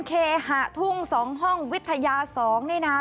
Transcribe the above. เคหะทุ่ง๒ห้องวิทยา๒นี่นะ